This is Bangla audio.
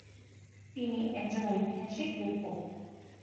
তিনি একজন ঐতিহাসিক লেখক।